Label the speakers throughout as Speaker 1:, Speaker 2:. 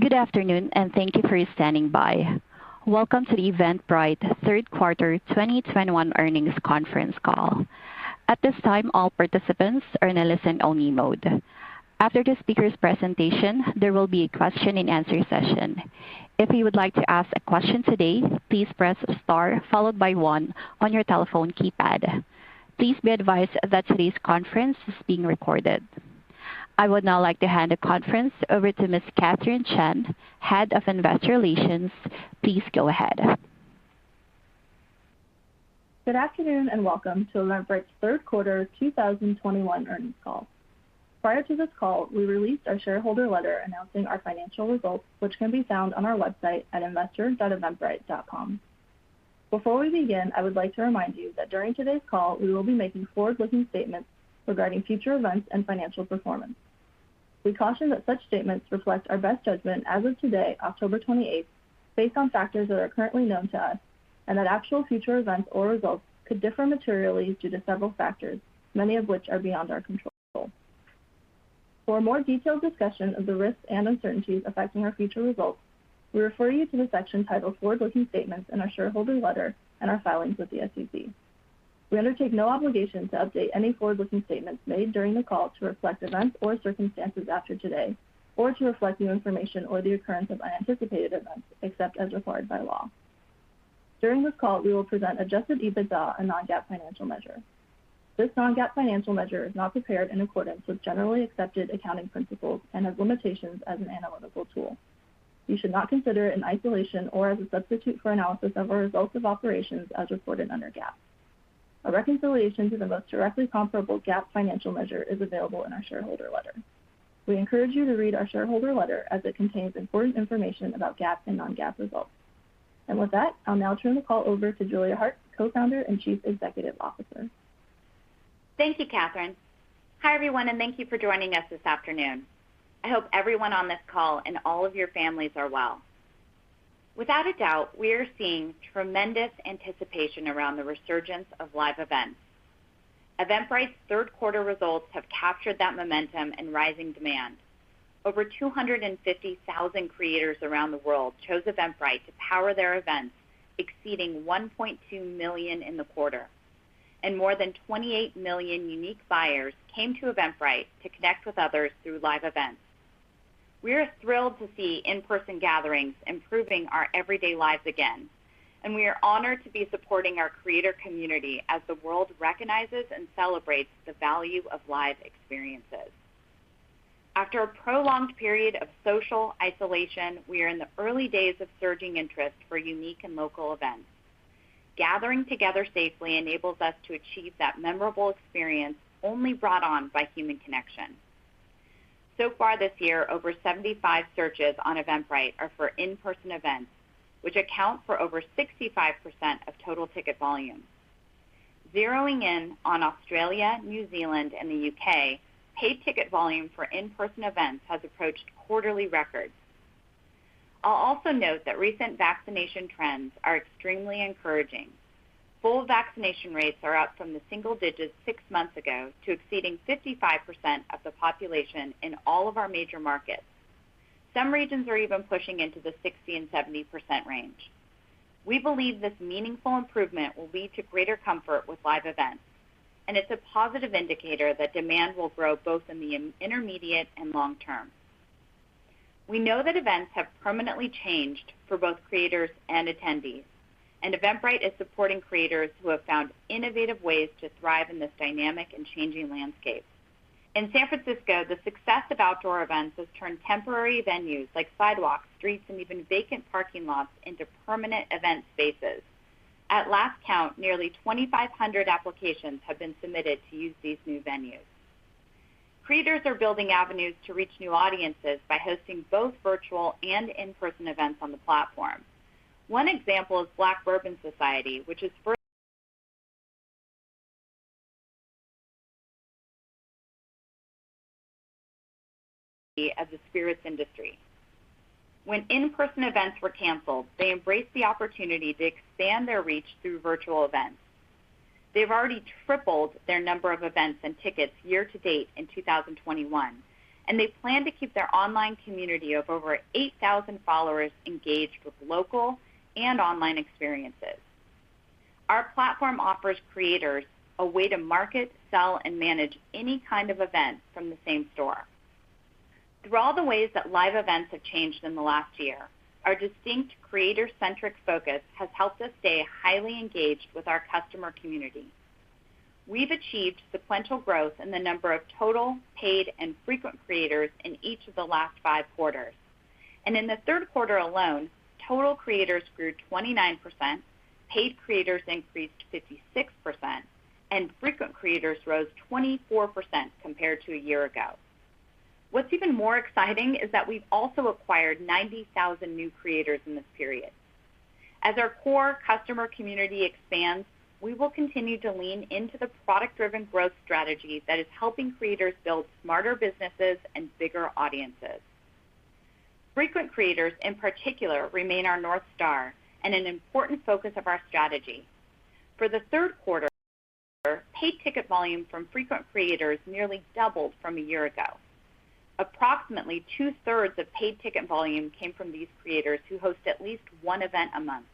Speaker 1: Good afternoon, and thank you for standing by. Welcome to the Eventbrite third quarter 2021 earnings conference call. At this time, all participants are in a listen-only mode. After the speaker's presentation, there will be a question-and-answer session. If you would like to ask a question today, please press Star followed by one on your telephone keypad. Please be advised that today's conference is being recorded. I would now like to hand the conference over to Ms. Katherine Chen, Head of Investor Relations. Please go ahead.
Speaker 2: Good afternoon, and welcome to Eventbrite's third quarter 2021 earnings call. Prior to this call, we released our shareholder letter announcing our financial results, which can be found on our website at investor.eventbrite.com. Before we begin, I would like to remind you that during today's call, we will be making forward-looking statements regarding future events and financial performance. We caution that such statements reflect our best judgment as of today, October 28th, based on factors that are currently known to us, and that actual future events or results could differ materially due to several factors, many of which are beyond our control. For a more detailed discussion of the risks and uncertainties affecting our future results, we refer you to the section titled Forward-Looking Statements in our shareholder letter and our filings with the SEC. We undertake no obligation to update any forward-looking statements made during the call to reflect events or circumstances after today or to reflect new information or the occurrence of unanticipated events, except as required by law. During this call, we will present Adjusted EBITDA and non-GAAP financial measure. This non-GAAP financial measure is not prepared in accordance with generally accepted accounting principles and has limitations as an analytical tool. You should not consider it in isolation or as a substitute for analysis of our results of operations as reported under GAAP. A reconciliation to the most directly comparable GAAP financial measure is available in our shareholder letter. We encourage you to read our shareholder letter as it contains important information about GAAP and non-GAAP results. With that, I'll now turn the call over to Julia Hartz, Co-Founder and Chief Executive Officer.
Speaker 3: Thank you, Katherine. Hi, everyone, and thank you for joining us this afternoon. I hope everyone on this call and all of your families are well. Without a doubt, we are seeing tremendous anticipation around the resurgence of live events. Eventbrite's third quarter results have captured that momentum and rising demand. Over 250,000 creators around the world chose Eventbrite to power their events, exceeding 1.2 million in the quarter. More than 28 million unique buyers came to Eventbrite to connect with others through live events. We are thrilled to see in-person gatherings improving our everyday lives again, and we are honored to be supporting our creator community as the world recognizes and celebrates the value of live experiences. After a prolonged period of social isolation, we are in the early days of surging interest for unique and local events. Gathering together safely enables us to achieve that memorable experience only brought on by human connection. Far this year, over 75 searches on Eventbrite are for in-person events, which account for over 65% of total ticket volume. Zeroing in on Australia, New Zealand, and the U.K., paid ticket volume for in-person events has approached quarterly records. I'll also note that recent vaccination trends are extremely encouraging. Full vaccination rates are up from the single digits six months ago to exceeding 55% of the population in all of our major markets. Some regions are even pushing into the 60% and 70% range. We believe this meaningful improvement will lead to greater comfort with live events, and it's a positive indicator that demand will grow both in the intermediate and long term. We know that events have permanently changed for both creators and attendees, and Eventbrite is supporting creators who have found innovative ways to thrive in this dynamic and changing landscape. In San Francisco, the success of outdoor events has turned temporary venues like sidewalks, streets, and even vacant parking lots into permanent event spaces. At last count, nearly 2,500 applications have been submitted to use these new venues. Creators are building avenues to reach new audiences by hosting both virtual and in-person events on the platform. One example is Black Bourbon Society, which focuses on the spirits industry. When in-person events were canceled, they embraced the opportunity to expand their reach through virtual events. They've already tripled their number of events and tickets year to date in 2021, and they plan to keep their online community of over 8,000 followers engaged with local and online experiences. Our platform offers creators a way to market, sell, and manage any kind of event from the same store. Through all the ways that live events have changed in the last year, our distinct creator-centric focus has helped us stay highly engaged with our customer community. We've achieved sequential growth in the number of total, paid, and frequent creators in each of the last five quarters. In the third quarter alone, total creators grew 29%, paid creators increased 56%, and frequent creators rose 24% compared to a year ago. What's even more exciting is that we've also acquired 90,000 new creators in this period. As our core customer community expands, we will continue to lean into the product-driven growth strategy that is helping creators build smarter businesses and bigger audiences. Frequent creators, in particular, remain our North Star and an important focus of our strategy. For the third quarter, our paid ticket volume from frequent creators nearly doubled from a year ago. Approximately 2/3 of paid ticket volume came from these creators who host at least one event a month.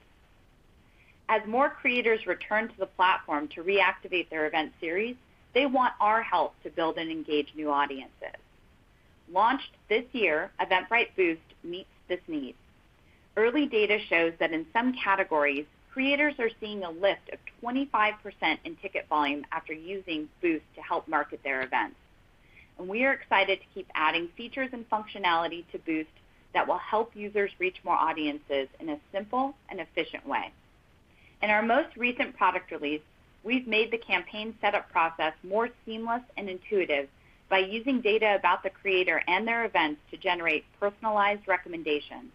Speaker 3: As more creators return to the platform to reactivate their event series, they want our help to build and engage new audiences. Launched this year, Eventbrite Boost meets this need. Early data shows that in some categories, creators are seeing a lift of 25% in ticket volume after using Boost to help market their events. We are excited to keep adding features and functionality to Boost that will help users reach more audiences in a simple and efficient way. In our most recent product release, we've made the campaign setup process more seamless and intuitive by using data about the creator and their events to generate personalized recommendations.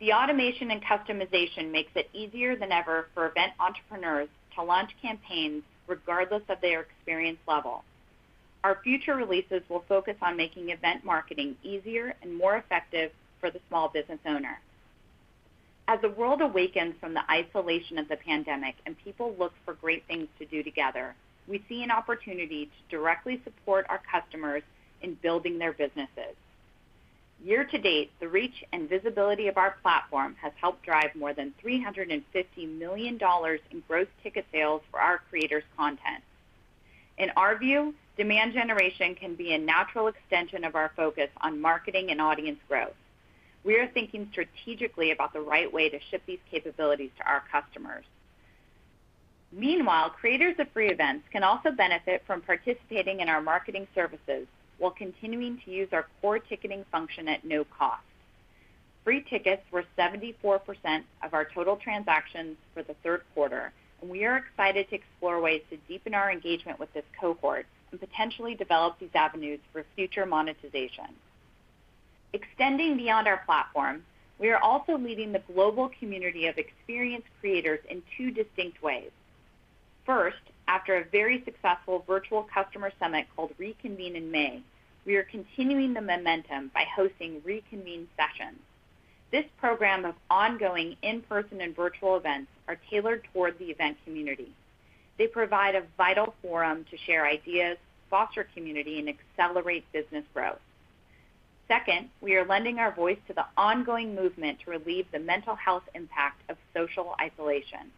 Speaker 3: The automation and customization makes it easier than ever for event entrepreneurs to launch campaigns regardless of their experience level. Our future releases will focus on making event marketing easier and more effective for the small business owner. As the world awakens from the isolation of the pandemic, and people look for great things to do together, we see an opportunity to directly support our customers in building their businesses. Year-to-date, the reach and visibility of our platform has helped drive more than $350 million in gross ticket sales for our creators' content. In our view, demand generation can be a natural extension of our focus on marketing and audience growth. We are thinking strategically about the right way to ship these capabilities to our customers. Meanwhile, creators of free events can also benefit from participating in our marketing services while continuing to use our core ticketing function at no cost. Free tickets were 74% of our total transactions for the third quarter, and we are excited to explore ways to deepen our engagement with this cohort and potentially develop these avenues for future monetization. Extending beyond our platform, we are also leading the global community of experienced creators in two distinct ways. First, after a very successful virtual customer summit called RECONVENE in May, we are continuing the momentum by hosting RECONVENE sessions. This program of ongoing in-person and virtual events are tailored toward the event community. They provide a vital forum to share ideas, foster community, and accelerate business growth. Second, we are lending our voice to the ongoing movement to relieve the mental health impact of social isolation.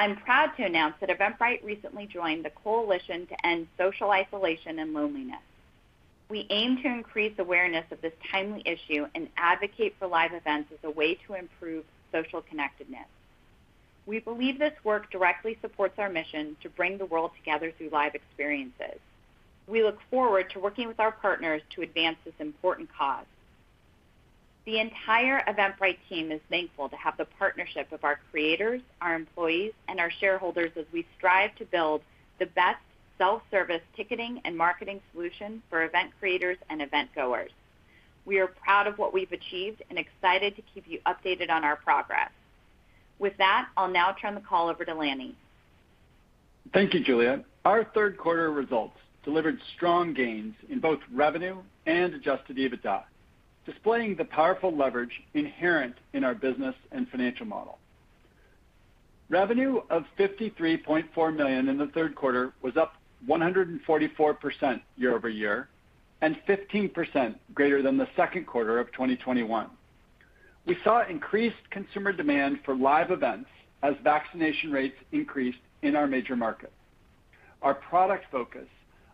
Speaker 3: I'm proud to announce that Eventbrite recently joined the Coalition to End Social Isolation & Loneliness. We aim to increase awareness of this timely issue and advocate for live events as a way to improve social connectedness. We believe this work directly supports our mission to bring the world together through live experiences. We look forward to working with our partners to advance this important cause. The entire Eventbrite team is thankful to have the partnership of our creators, our employees, and our shareholders as we strive to build the best self-service ticketing and marketing solution for event creators and event goers. We are proud of what we've achieved and excited to keep you updated on our progress. With that, I'll now turn the call over to Lanny.
Speaker 4: Thank you, Julia. Our third quarter results delivered strong gains in both revenue and Adjusted EBITDA, displaying the powerful leverage inherent in our business and financial model. Revenue of $53.4 million in the third quarter was up 144% year-over-year, and 15% greater than the second quarter of 2021. We saw increased consumer demand for live events as vaccination rates increased in our major markets. Our product focus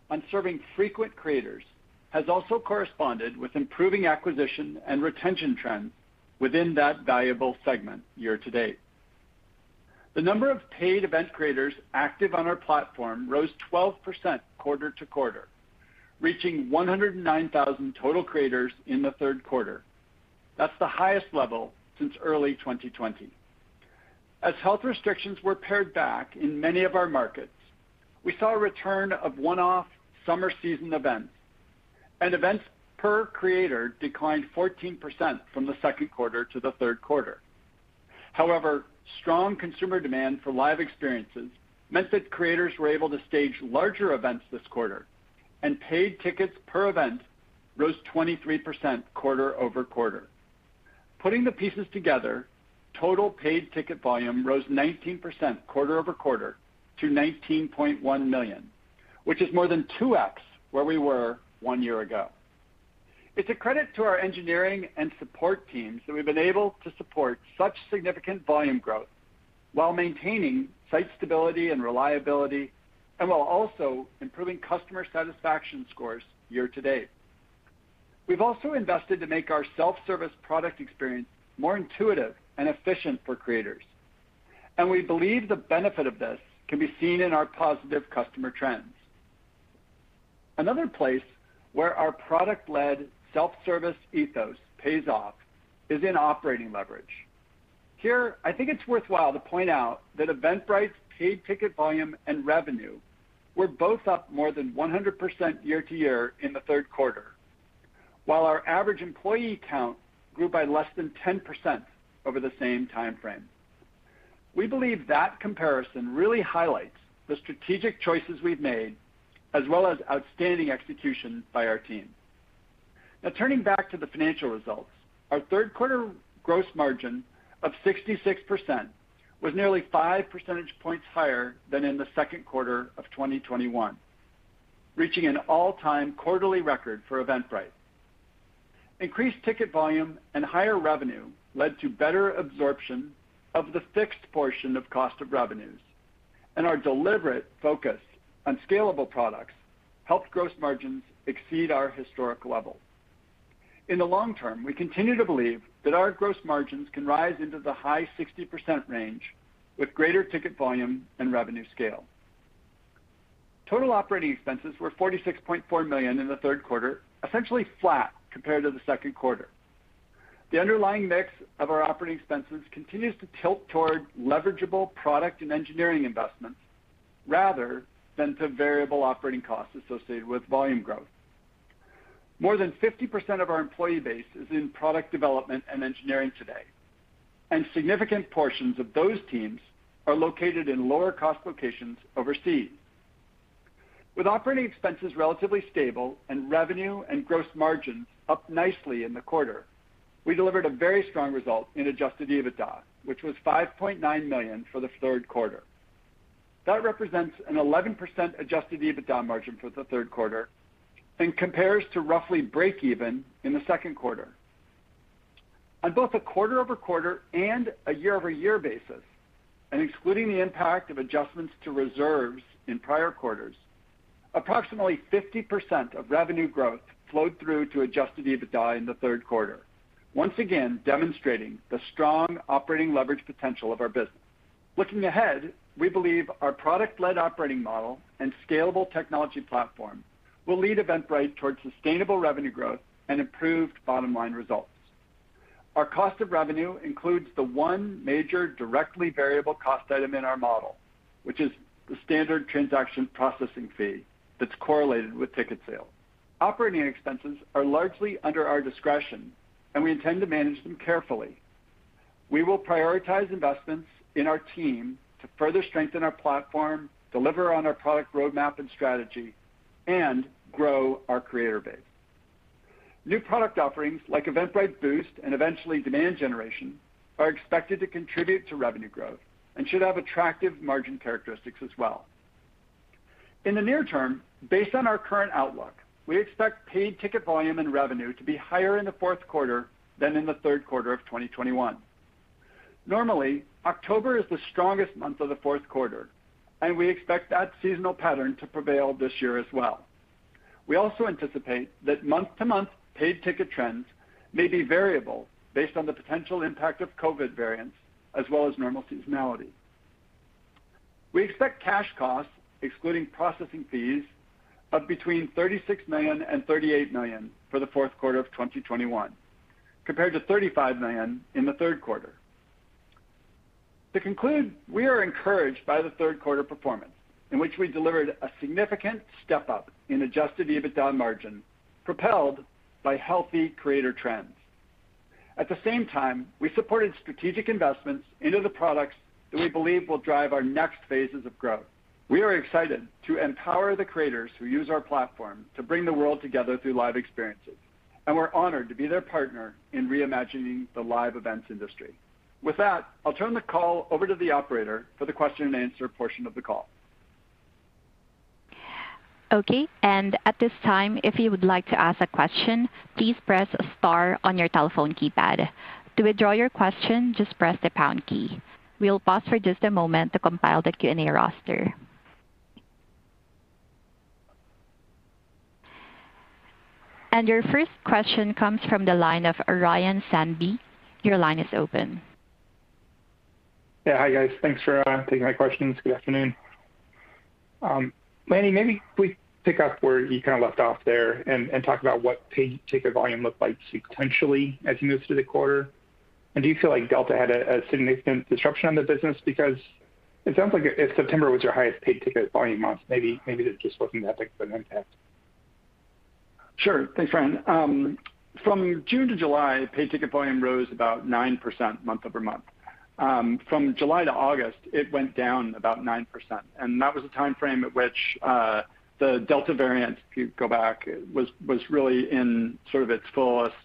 Speaker 4: on serving frequent creators has also corresponded with improving acquisition and retention trends within that valuable segment year to date. The number of paid event creators active on our platform rose 12% quarter-to-quarter, reaching 109,000 total creators in the third quarter. That's the highest level since early 2020. As health restrictions were pared back in many of our markets, we saw a return of one-off summer season events, and events per creator declined 14% from the second quarter to the third quarter. However, strong consumer demand for live experiences meant that creators were able to stage larger events this quarter, and paid tickets per event rose 23% quarter-over-quarter. Putting the pieces together, total paid ticket volume rose 19% quarter-over-quarter to 19.1 million, which is more than 2x where we were one year ago. It's a credit to our engineering and support teams that we've been able to support such significant volume growth while maintaining site stability and reliability, and while also improving customer satisfaction scores year to date. We've also invested to make our self-service product experience more intuitive and efficient for creators, and we believe the benefit of this can be seen in our positive customer trends. Another place where our product-led self-service ethos pays off is in operating leverage. Here, I think it's worthwhile to point out that Eventbrite's paid ticket volume and revenue were both up more than 100% year-over-year in the third quarter, while our average employee count grew by less than 10% over the same time frame. We believe that comparison really highlights the strategic choices we've made, as well as outstanding execution by our team. Now turning back to the financial results. Our third quarter gross margin of 66% was nearly 5 percentage points higher than in the second quarter of 2021, reaching an all-time quarterly record for Eventbrite. Increased ticket volume and higher revenue led to better absorption of the fixed portion of cost of revenues, and our deliberate focus on scalable products helped gross margins exceed our historic level. In the long term, we continue to believe that our gross margins can rise into the high 60% range with greater ticket volume and revenue scale. Total operating expenses were $46.4 million in the third quarter, essentially flat compared to the second quarter. The underlying mix of our operating expenses continues to tilt toward leverageable product and engineering investments rather than to variable operating costs associated with volume growth. More than 50% of our employee base is in product development and engineering today, and significant portions of those teams are located in lower cost locations overseas. With operating expenses relatively stable and revenue and gross margins up nicely in the quarter, we delivered a very strong result in Adjusted EBITDA, which was $5.9 million for the third quarter. That represents an 11% Adjusted EBITDA margin for the third quarter and compares to roughly break-even in the second quarter. On both a quarter-over-quarter and a year-over-year basis, and excluding the impact of adjustments to reserves in prior quarters, approximately 50% of revenue growth flowed through to Adjusted EBITDA in the third quarter, once again demonstrating the strong operating leverage potential of our business. Looking ahead, we believe our product-led operating model and scalable technology platform will lead Eventbrite towards sustainable revenue growth and improved bottom-line results. Our cost of revenue includes the one major directly variable cost item in our model, which is the standard transaction processing fee that's correlated with ticket sales. Operating expenses are largely under our discretion, and we intend to manage them carefully. We will prioritize investments in our team to further strengthen our platform, deliver on our product roadmap and strategy, and grow our creator base. New product offerings like Eventbrite Boost and eventually demand generation are expected to contribute to revenue growth and should have attractive margin characteristics as well. In the near term, based on our current outlook, we expect paid ticket volume and revenue to be higher in the fourth quarter than in the third quarter of 2021. Normally, October is the strongest month of the fourth quarter, and we expect that seasonal pattern to prevail this year as well. We also anticipate that month-to-month paid ticket trends may be variable based on the potential impact of COVID variants as well as normal seasonality. We expect cash costs, excluding processing fees, of between $36 million and $38 million for the fourth quarter of 2021, compared to $35 million in the third quarter. To conclude, we are encouraged by the third quarter performance in which we delivered a significant step-up in Adjusted EBITDA margin propelled by healthy creator trends. At the same time, we supported strategic investments into the products that we believe will drive our next phases of growth. We are excited to empower the creators who use our platform to bring the world together through live experiences, and we're honored to be their partner in reimagining the live events industry. With that, I'll turn the call over to the operator for the question and answer portion of the call.
Speaker 1: Okay. At this time, if you would like to ask a question, please press star on your telephone keypad. To withdraw your question, just press the pound key. We'll pause for just a moment to compile the Q&A roster. Your first question comes from the line of Ryan Sundby. Your line is open.
Speaker 5: Yeah. Hi, guys. Thanks for taking my questions. Good afternoon. Lanny, maybe if we pick up where you kind of left off there and talk about what paid ticket volume looked like sequentially as you moved through the quarter. Do you feel like Delta had a significant disruption on the business? Because it sounds like if September was your highest paid ticket volume month, maybe there just wasn't that big of an impact.
Speaker 4: Sure. Thanks, Ryan. From June to July, paid ticket volume rose about 9% month over month. From July to August, it went down about 9%, and that was a time frame at which the Delta variant, if you go back, was really in sort of its fullest,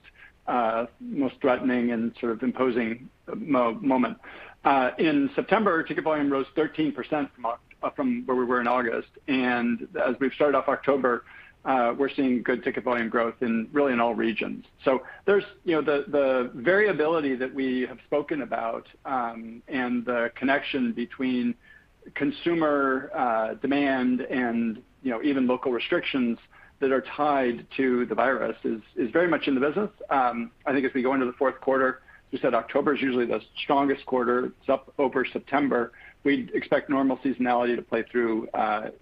Speaker 4: most threatening and sort of imposing moment. In September, ticket volume rose 13% from where we were in August. As we've started off October, we're seeing good ticket volume growth in really in all regions. There's, you know, the variability that we have spoken about, and the connection between consumer demand and, you know, even local restrictions that are tied to the virus is very much in the business. I think as we go into the fourth quarter, we said October is usually the strongest quarter. It's up over September. We expect normal seasonality to play through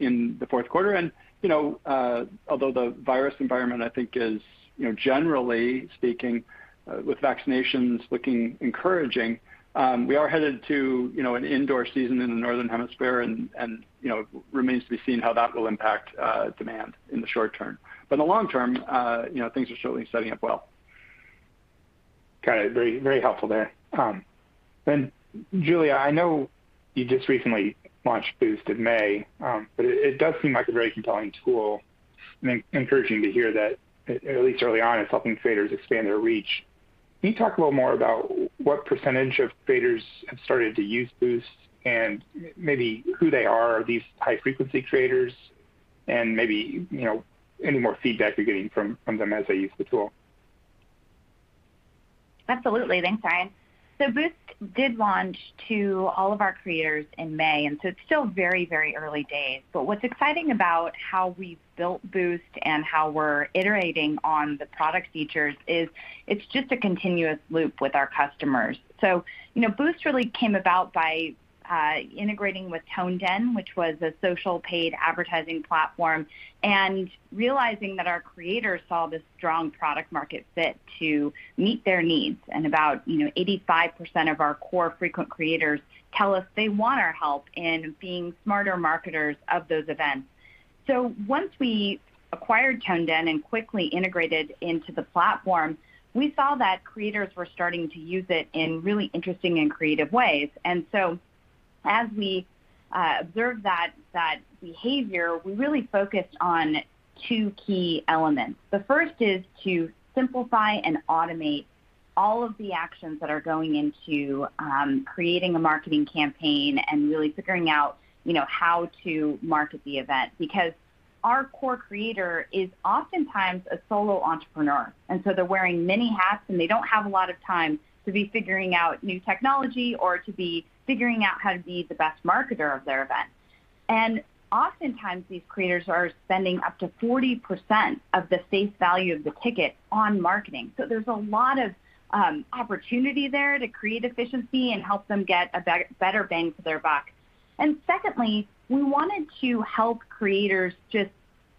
Speaker 4: in the fourth quarter. Although the virus environment, I think is, you know, generally speaking, with vaccinations looking encouraging, we are headed to, you know, an indoor season in the northern hemisphere and you know, remains to be seen how that will impact demand in the short term. In the long term, you know, things are certainly setting up well.
Speaker 5: Got it. Very, very helpful there. Julia, I know you just recently launched Boost in May, but it does seem like a very compelling tool, and encouraging to hear that at least early on, it's helping creators expand their reach. Can you talk a little more about what percentage of creators have started to use Boost and maybe who they are, these high-frequency creators, and maybe, you know, any more feedback you're getting from them as they use the tool?
Speaker 3: Absolutely. Thanks, Ryan. Boost did launch to all of our creators in May, and so it's still very, very early days. What's exciting about how we've built Boost and how we're iterating on the product features is it's just a continuous loop with our customers. You know, Boost really came about by integrating with ToneDen, which was a social paid advertising platform, and realizing that our creators saw this strong product market fit to meet their needs. About, you know, 85% of our core frequent creators tell us they want our help in being smarter marketers of those events. Once we acquired ToneDen and quickly integrated into the platform, we saw that creators were starting to use it in really interesting and creative ways. As we observed that behavior, we really focused on two key elements. The first is to simplify and automate all of the actions that are going into creating a marketing campaign and really figuring out, you know, how to market the event. Because our core creator is oftentimes a solo entrepreneur, and so they're wearing many hats, and they don't have a lot of time to be figuring out new technology or to be figuring Out how to be the best marketer of their event. Oftentimes, these creators are spending up to 40% of the face value of the ticket on marketing. There's a lot of opportunity there to create efficiency and help them get a better bang for their buck. Secondly, we wanted to help creators just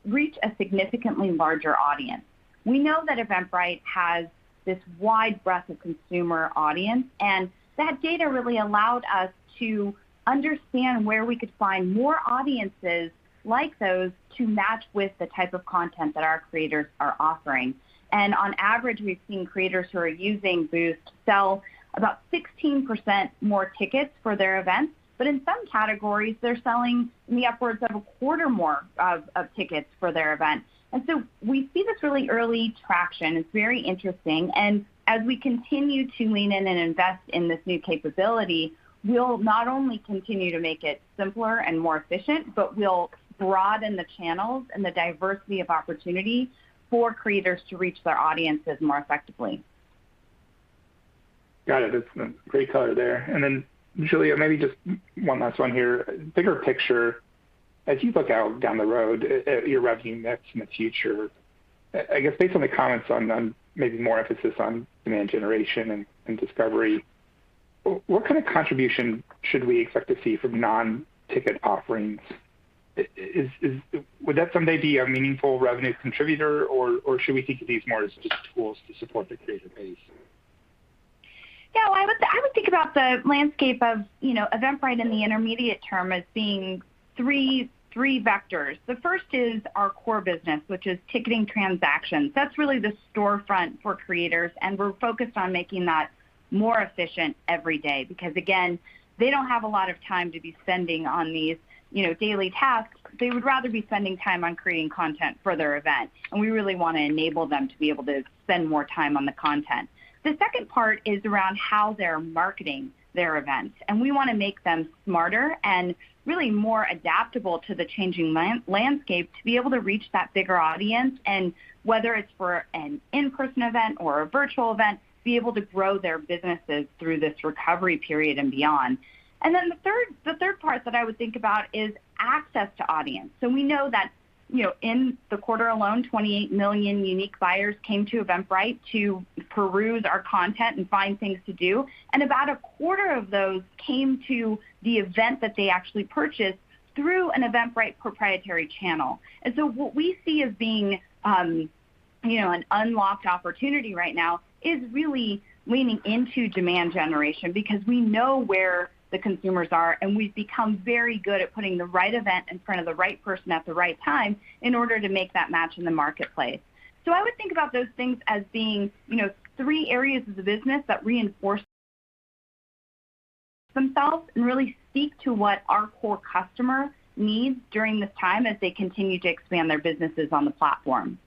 Speaker 3: reach a significantly larger audience. We know that Eventbrite has this wide breadth of consumer audience, and that data really allowed us to understand where we could find more audiences like those to match with the type of content that our creators are offering. On average, we've seen creators who are using Boost sell about 16% more tickets for their events. In some categories, they're selling upwards of a quarter more of tickets for their event. We see this really early traction. It's very interesting. As we continue to lean in and invest in this new capability, we'll not only continue to make it simpler and more efficient, but we'll broaden the channels and the diversity of opportunity for creators to reach their audiences more effectively.
Speaker 5: Got it. That's a great color there. Then Julia, maybe just one last one here. Bigger picture, as you look out down the road at your revenue mix in the future, I guess based on the comments on maybe more emphasis on demand generation and discovery, what kind of contribution should we expect to see from non-ticket offerings? Would that someday be a meaningful revenue contributor, or should we think of these more as just tools to support the creator base?
Speaker 3: Yeah. Well, I would think about the landscape of, you know, Eventbrite in the intermediate term as being three vectors. The first is our core business, which is ticketing transactions. That's really the storefront for creators, and we're focused on making that more efficient every day because, again, they don't have a lot of time to be spending on these, you know, daily tasks. They would rather be spending time on creating content for their event, and we really wanna enable them to be able to spend more time on the content. The second part is around how they're marketing their events, and we wanna make them smarter and really more adaptable to the changing landscape to be able to reach that bigger audience and whether it's for an in-person event or a virtual event, be able to grow their businesses through this recovery period and beyond. The third part that I would think about is access to audience. We know that, you know, in the quarter alone, 28 million unique buyers came to Eventbrite to peruse our content and find things to do, and about a quarter of those came to the event that they actually purchased through an Eventbrite proprietary channel. What we see as being, you know, an unlocked opportunity right now is really leaning into demand generation because we know where the consumers are, and we've become very good at putting the right event in front of the right person at the right time in order to make that match in the marketplace. I would think about those things as being, you know, three areas of the business that reinforce themselves and really speak to what our core customer needs during this time as they continue to expand their businesses on the platform.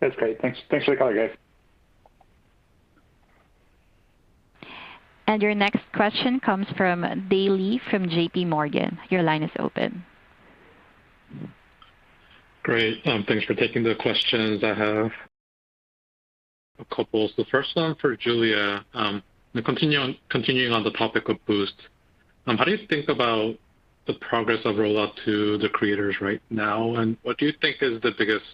Speaker 5: That's great. Thanks. Thanks for the color, guys.
Speaker 1: Your next question comes from Dae from JPMorgan. Your line is open.
Speaker 6: Great. Thanks for taking the questions. I have a couple. The first one for Julia. Continuing on the topic of Boost, how do you think about the progress of rollout to the creators right now? And what do you think is the biggest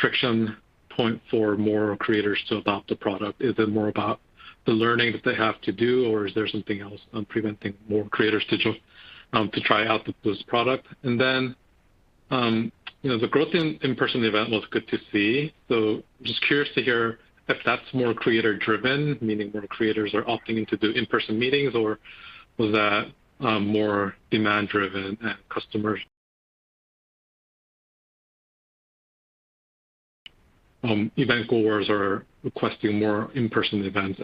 Speaker 6: friction point for more creators to adopt the product? Is it more about the learning that they have to do, or is there something else preventing more creators to try out the Boost product? And then, you know, the growth in in-person event was good to see. Just curious to hear if that's more creator driven, meaning more creators are opting into do in-person meetings or was that more demand driven and customers, event goers are requesting more in-person events.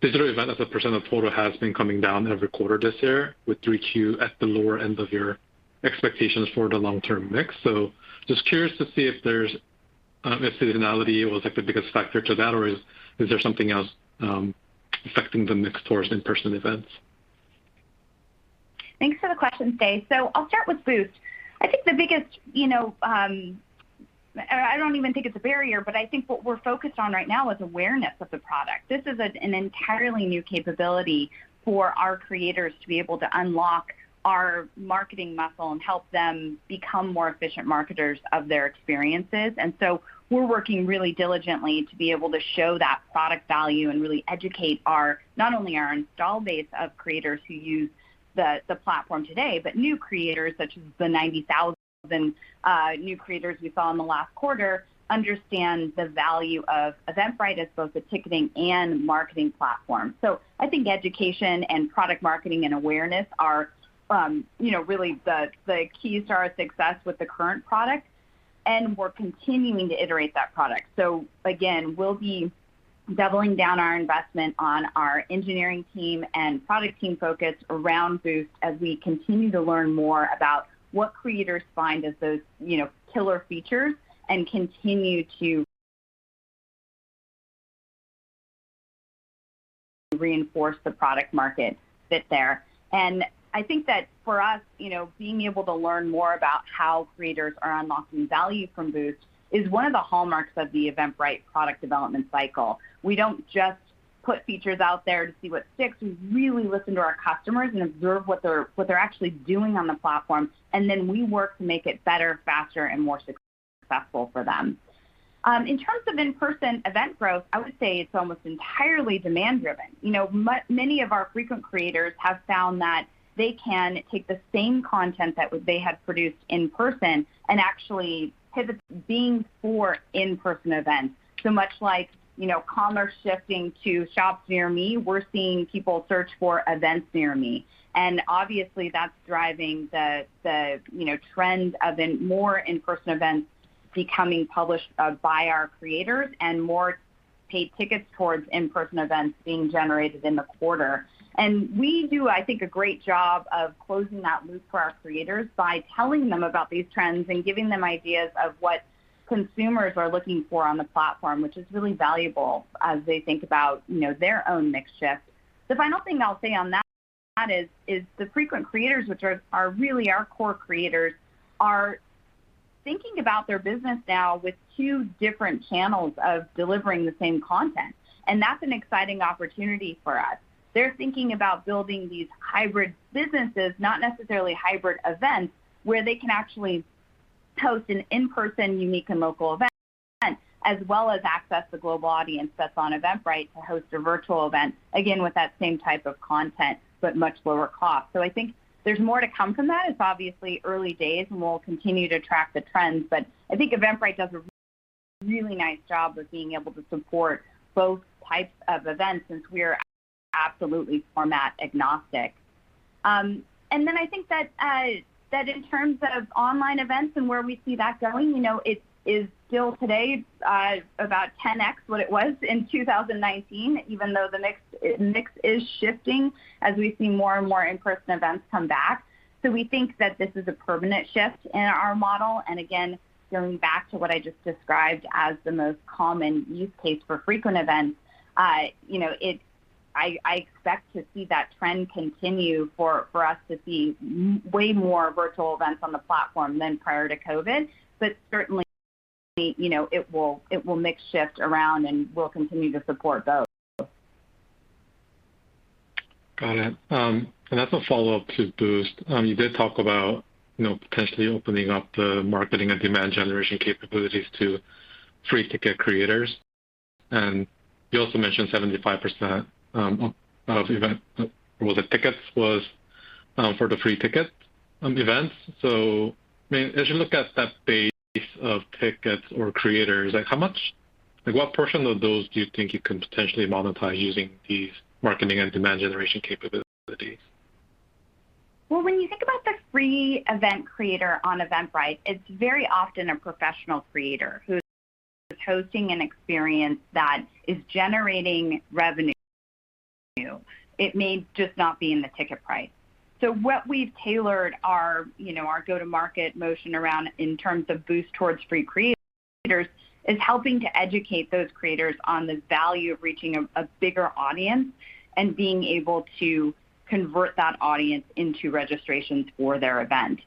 Speaker 6: Digital event as a percent of total has been coming down every quarter this year with Q3 at the lower end of your expectations for the long-term mix. Just curious to see if seasonality was like the biggest factor to that, or is there something else affecting the mix towards in-person events?
Speaker 3: Thanks for the question, Dae. I'll start with Boost. I think the biggest, you know, I don't even think it's a barrier, but I think what we're focused on right now is awareness of the product. This is an entirely new capability for our creators to be able to unlock our marketing muscle and help them become more efficient marketers of their experiences. We're working really diligently to be able to show that product value and really educate our, not only our install base of creators who use the platform today, but new creators, such as the 90,000 new creators we saw in the last quarter, understand the value of Eventbrite as both a ticketing and marketing platform. I think education and product marketing and awareness are, you know, really the keys to our success with the current product, and we're continuing to iterate that product. Again, we'll be doubling down our investment on our engineering team and product team focus around Boost as we continue to learn more about what creators find as those, you know, killer features and continue to reinforce the product market fit there. I think that for us, you know, being able to learn more about how creators are unlocking value from Boost is one of the hallmarks of the Eventbrite product development cycle. We don't just put features out there to see what sticks. We really listen to our customers and observe what they're actually doing on the platform, and then we work to make it better, faster, and more successful for them. In terms of in-person event growth, I would say it's almost entirely demand driven. You know, many of our frequent creators have found that they can take the same content that they had produced in person and actually pivot back to in-person events. Much like, you know, commerce shifting to shops near me, we're seeing people search for events near me. Obviously that's driving the you know, trend of more in-person events becoming published by our creators and more paid tickets towards in-person events being generated in the quarter. We do, I think, a great job of closing that loop for our creators by telling them about these trends and giving them ideas of what consumers are looking for on the platform, which is really valuable as they think about, you know, their own mix shift. The final thing I'll say on that is the frequent creators, which are really our core creators, are thinking about their business now with two different channels of delivering the same content, and that's an exciting opportunity for us. They're thinking about building these hybrid businesses, not necessarily hybrid events, where they can actually host an in-person unique and local event as well as access the global audience that's on Eventbrite to host a virtual event, again, with that same type of content, but much lower cost. I think there's more to come from that. It's obviously early days, and we'll continue to track the trends. I think Eventbrite does a really nice job of being able to support both types of events since we're absolutely format agnostic. I think that in terms of online events and where we see that going, you know, it is still today about 10x what it was in 2019, even though the mix is shifting as we see more and more in-person events come back. We think that this is a permanent shift in our model. Again, going back to what I just described as the most common use case for frequent events, you know, I expect to see that trend continue for us to see way more virtual events on the platform than prior to COVID. Certainly, you know, the mix will shift around, and we'll continue to support both.
Speaker 6: Got it. As a follow-up to Boost, you did talk about, you know, potentially opening up the marketing and demand generation capabilities to free ticket creators. You also mentioned 75%, of events. Or was it tickets was for the free ticket events. I mean, as you look at that base of tickets or creators, like what portion of those do you think you can potentially monetize using these marketing and demand generation capabilities?
Speaker 3: Well, when you think about the free event creator on Eventbrite, it's very often a professional creator who's hosting an experience that is generating revenue. It may just not be in the ticket price. What we've tailored our, you know, our go-to-market motion around in terms of Boost towards free creators is helping to educate those creators on the value of reaching a bigger audience and being able to convert that audience into registrations for their event.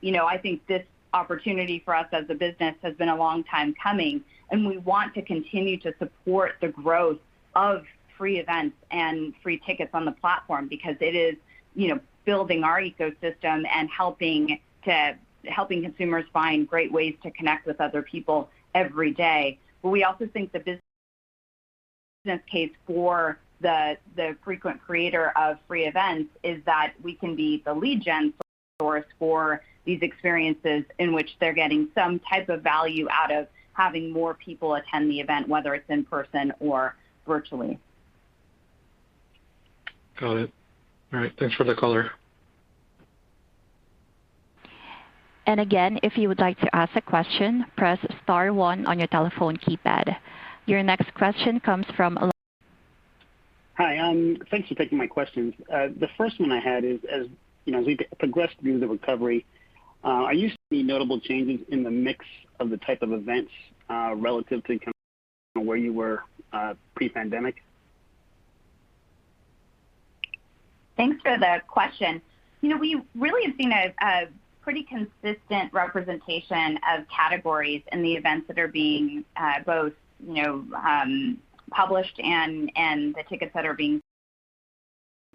Speaker 3: You know, I think this opportunity for us as a business has been a long time coming, and we want to continue to support the growth of free events and free tickets on the platform because it is, you know, building our ecosystem and helping consumers find great ways to connect with other people every day. We also think the business case for the frequent creator of free events is that we can be the lead gen source for these experiences in which they're getting some type of value out of having more people attend the event, whether it's in person or virtually.
Speaker 6: Got it. All right. Thanks for the color.
Speaker 1: Again, if you would like to ask a question, press star one on your telephone keypad. Your next question comes from Alan.
Speaker 7: Hi. Thanks for taking my questions. The first one I had is, as you know, as we progress through the recovery, are you seeing notable changes in the mix of the type of events, relative to kind of where you were, pre-pandemic?
Speaker 3: Thanks for the question. You know, we really have seen a pretty consistent representation of categories in the events that are being both published and the tickets that are being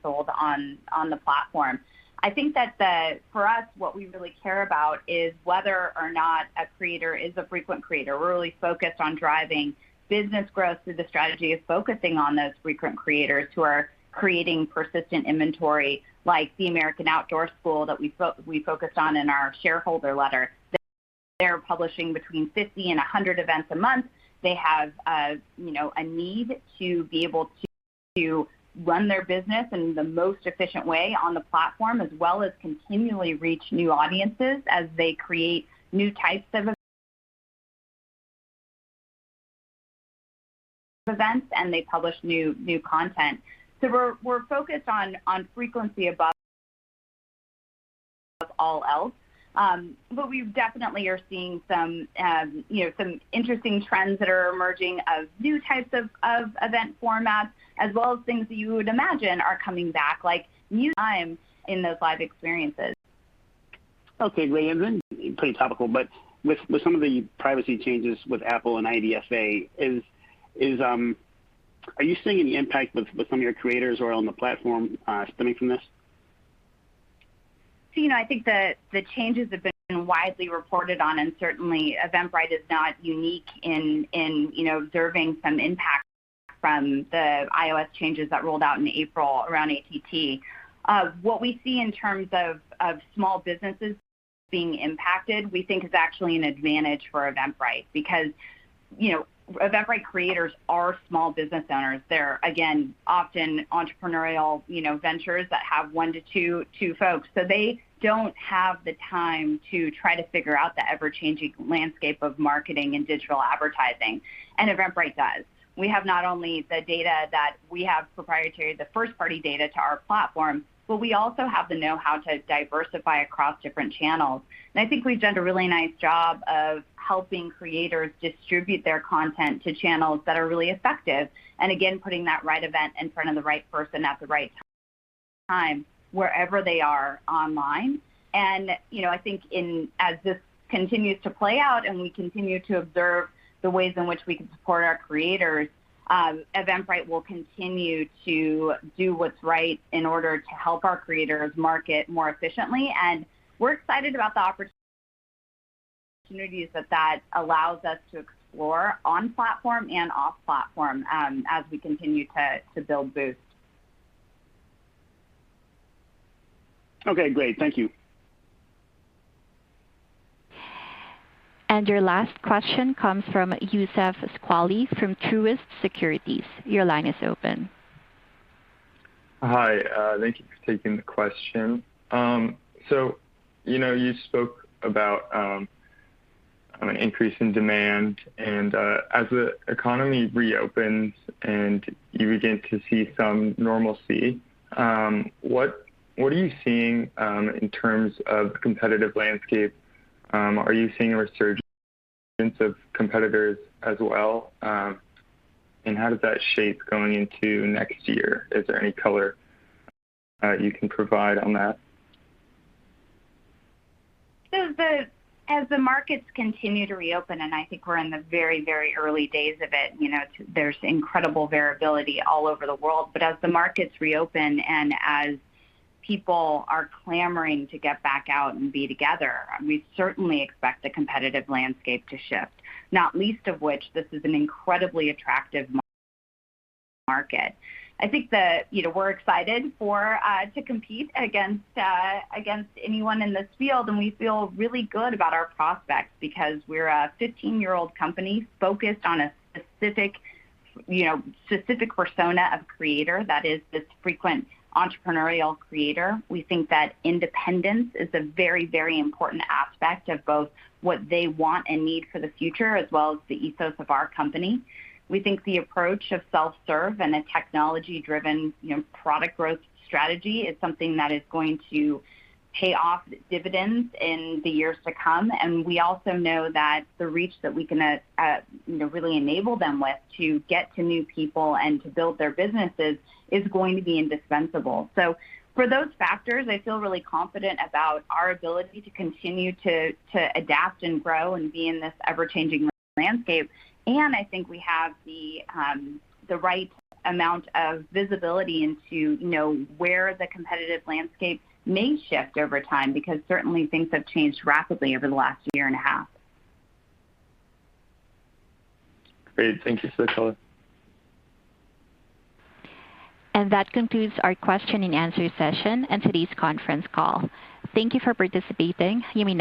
Speaker 3: sold on the platform. I think that for us, what we really care about is whether or not a creator is a frequent creator. We're really focused on driving business growth through the strategy of focusing on those frequent creators who are creating persistent inventory, like the American Outdoor School that we focused on in our shareholder letter. They're publishing between 50 and 100 events a month. They have, you know, a need to be able to run their business in the most efficient way on the platform, as well as continually reach new audiences as they create new types of events, and they publish new content. We're focused on frequency above all else. But we definitely are seeing some you know some interesting trends that are emerging of new types of event formats, as well as things that you would imagine are coming back, like new times in those live experiences.
Speaker 7: Okay, great. Pretty topical, but with some of the privacy changes with Apple and IDFA, are you seeing any impact with some of your creators or on the platform, stemming from this?
Speaker 3: You know, I think the changes have been widely reported on, and certainly Eventbrite is not unique in, you know, observing some impact from the iOS changes that rolled out in April around ATT. What we see in terms of small businesses being impacted, we think is actually an advantage for Eventbrite because, you know, Eventbrite creators are small business owners. They're again often entrepreneurial, you know, ventures that have one to two folks. They don't have the time to try to figure out the ever-changing landscape of marketing and digital advertising, and Eventbrite does. We have not only the data that we have proprietary, the first-party data to our platform, but we also have the know-how to diversify across different channels. I think we've done a really nice job of helping creators distribute their content to channels that are really effective, and again, putting that right event in front of the right person at the right time wherever they are online. You know, I think as this continues to play out and we continue to observe the ways in which we can support our creators, Eventbrite will continue to do what's right in order to help our creators market more efficiently. We're excited about the opportunities that that allows us to explore on platform and off platform, as we continue to build Boost.
Speaker 7: Okay, great. Thank you.
Speaker 1: Your last question comes from Youssef Squali from Truist Securities. Your line is open.
Speaker 8: Hi. Thank you for taking the question. You know, you spoke about an increase in demand and as the economy reopens and you begin to see some normalcy, what are you seeing in terms of competitive landscape? Are you seeing a resurgence of competitors as well? How does that shape going into next year? Is there any color you can provide on that?
Speaker 3: As the markets continue to reopen, and I think we're in the very, very early days of it, you know, there's incredible variability all over the world. As the markets reopen and as people are clamoring to get back out and be together, we certainly expect the competitive landscape to shift, not least of which this is an incredibly attractive market. I think you know, we're excited for to compete against anyone in this field, and we feel really good about our prospects because we're a 15-year-old company focused on a specific, you know, persona of creator that is this frequent entrepreneurial creator. We think that independence is a very, very important aspect of both what they want and need for the future, as well as the ethos of our company. We think the approach of self-serve and a technology-driven, you know, product growth strategy is something that is going to pay off dividends in the years to come. We also know that the reach that we can, you know, really enable them with to get to new people and to build their businesses is going to be indispensable. For those factors, I feel really confident about our ability to continue to adapt and grow and be in this ever-changing landscape. I think we have the right amount of visibility into, you know, where the competitive landscape may shift over time, because certainly things have changed rapidly over the last year and a half.
Speaker 8: Great. Thank you for the color.
Speaker 1: That concludes our question and answer session and today's conference call. Thank you for participating. You may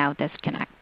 Speaker 1: now disconnect.